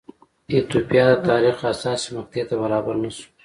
ایتوپیا د تاریخ حساسې مقطعې ته برابر نه شو.